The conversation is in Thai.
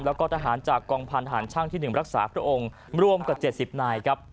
แล้วก็ทหารจากกองพลานหารช่างที่หนึ่งรักษาพระองค์รวมกับเจ็ดสิบนายครับ